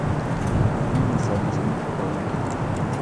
د هند مسالې زموږ په خوړو کې دي.